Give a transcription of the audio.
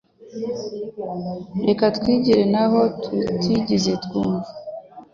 Reka twigire nkaho tutigeze twumva